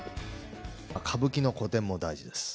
歌舞伎の古典も大事です。